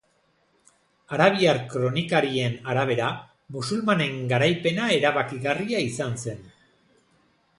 Arabiar kronikarien arabera, musulmanen garaipena erabakigarria izan zen.